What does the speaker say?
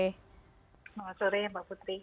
selamat sore mbak putri